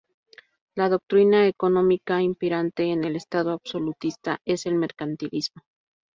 La doctrina económica imperante en el Estado absolutista es el mercantilismo.